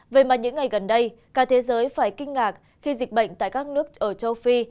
vậy mà những ngày gần đây cả thế giới phải kinh ngạc khi dịch bệnh tại các nước ở châu phi